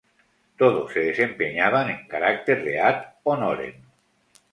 Todos se desempeñaban en carácter de ad-honorem.